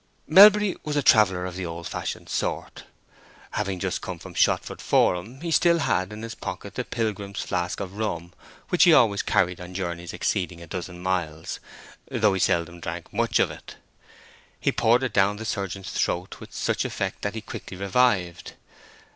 Melbury was a traveller of the old fashioned sort; having just come from Shottsford Forum, he still had in his pocket the pilgrim's flask of rum which he always carried on journeys exceeding a dozen miles, though he seldom drank much of it. He poured it down the surgeon's throat, with such effect that he quickly revived.